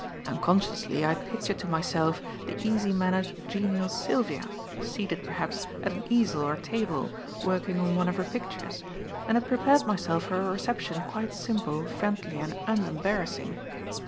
Unconsciously, I had pictured to myself the easy mannered, genial Sylvia, seated, perhaps, at an easel or table, working on one of her pictures, and had prepared myself for a reception quite simple, friendly and unembarrassing.